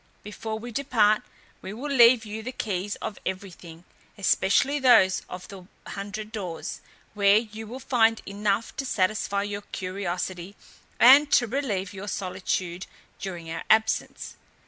Before we depart we will leave you the keys of everything, especially those of the hundred doors, where you will find enough to satisfy your curiosity, and to relieve your solitude during our absence.